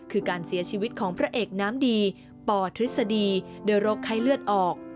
คือการเสียชีวิตของพระเอกน้ำดีปทฤษฎีโดยโรคไข้เลือดออก